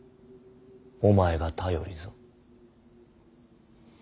お前が頼りぞ。